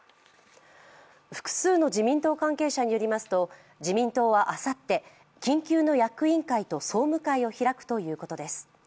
複数の自民党関係者によりますと、自民党はあさって、緊急の役員会と総務会を開くということです。